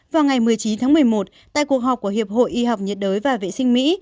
vào ngày một mươi chín tháng một mươi một tại cuộc họp của hiệp hội y học nhiệt đới và vệ sinh mỹ